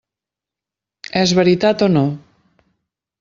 És veritat o no?